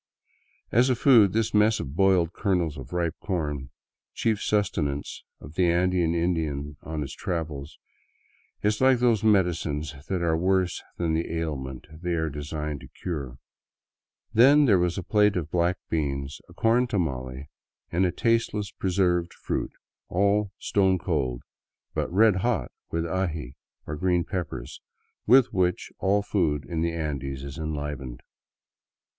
As a food, this mess of boiled kernels of ripe corn, chief sustenance of the Andean Indian on his travels, is like those medicines that are worse than the ailment they are designed to cure. Then there was a plate of black beans, a corn tamale, and a tasteless preserved fruit, all stone cold, but red hot with the aji, or green peppers, with which all food in the Andes is enlivened.